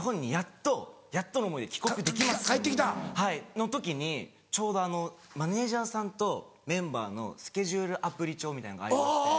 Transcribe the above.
の時にちょうどマネジャーさんとメンバーのスケジュールアプリ帳みたいなのがありまして。